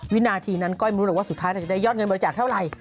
วินาทีนั้นก้อยมันรู้แล้วว่าสุดท้ายจะได้ยอดเงินบริจาคเท่าไร